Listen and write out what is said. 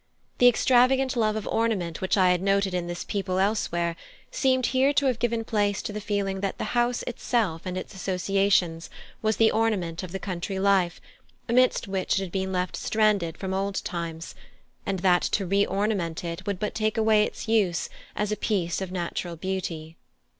The extravagant love of ornament which I had noted in this people elsewhere seemed here to have given place to the feeling that the house itself and its associations was the ornament of the country life amidst which it had been left stranded from old times, and that to re ornament it would but take away its use as a piece of natural beauty.